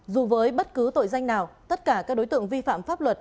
dù với bất cứ tội danh nào tất cả các đối tượng vi phạm pháp luật